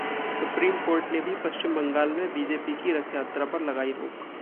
supreme court ने भी पश्चिम बंगाल में बीजेपी की रथयात्रा पर लगाई रोक